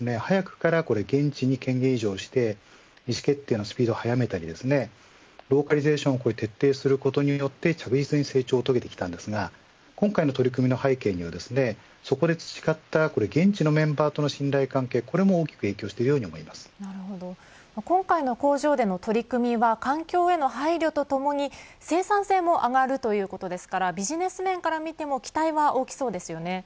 パナソニックは早くから現地に権限移譲して意思決定のスピードを速めたりローカライズを徹底することによって成長を遂げてきましたが今回の取り組みの背景にはそこで培った現地メンバーとの信頼関係これも大きく今回の工場での取り組みは環境への配慮とともに生産性も上がるということですからビジネス面から見ても期待は大きそうですよね。